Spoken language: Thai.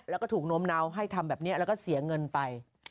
แล้วก็ถูกโน้มเนาให้ทำแบบนี้แล้วก็เสียเงินไป